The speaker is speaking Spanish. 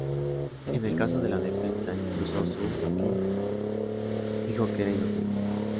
En el caso de la defensa en curso Suu Kyi dijo que era inocente.